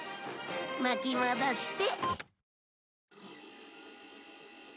巻き戻して。